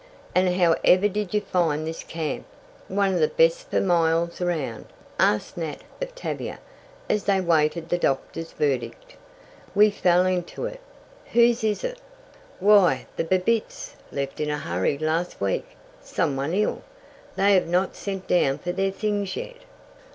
"And how ever did you find this camp, one of the best for miles around?" asked Nat of Tavia, as they awaited the doctor's verdict. "We fell into it. Whose is it?" "Why the Babbitts left in a hurry last week some one ill. They have not sent down for their things yet."